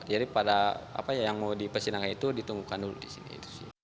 jadi pada yang mau di persidangan itu ditunggukan dulu disini